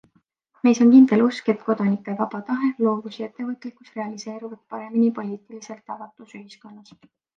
Meis on kindel usk, et kodanike vaba tahe, loovus ja ettevõtlikkus realiseeruvad paremini poliitiliselt avatud ühiskonnas.